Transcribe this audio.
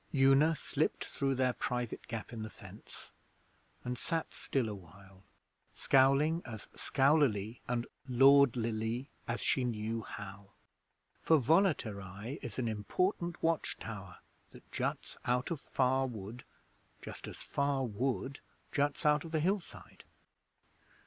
Una slipped through their private gap in the fence, and sat still awhile, scowling as scowlily and lordlily as she knew how; for Volaterrae is an important watch tower that juts out of Far Wood just as Far Wood juts out of the hillside.